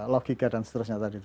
logika dan seterusnya tadi